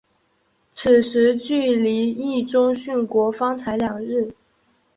此时距离毅宗殉国方才两日。